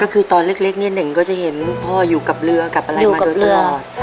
ก็คือตอนเล็กเนี่ยเน่งก็จะเห็นพ่ออยู่กับเรือกับอะไรมาโดยตลอด